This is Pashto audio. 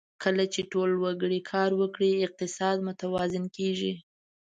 کله چې ټول وګړي کار وکړي، اقتصاد متوازن کېږي.